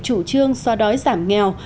chủ trương xóa đói giảm nghèo